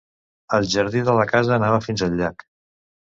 El jardí de la casa anava fins al llac.